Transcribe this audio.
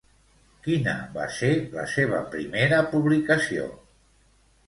Quina va ser la seva primera publicació?